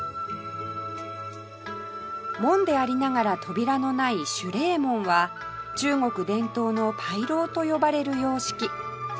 門でありながら扉のない守礼門は中国伝統の牌楼と呼ばれる様式